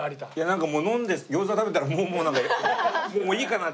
なんかもう飲んで餃子食べたらなんかもういいかなって。